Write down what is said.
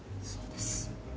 そうです。